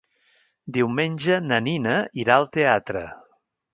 Diumenge na Nina irà al teatre.